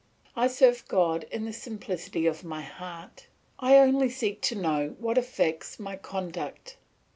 I serve God in the simplicity of my heart; I only seek to know what affects my conduct.